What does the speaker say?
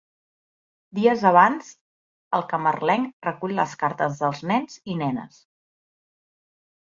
Dies abans, el Camarlenc recull les cartes dels nens i nenes.